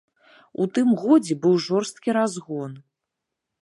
У тым годзе быў жорсткі разгон.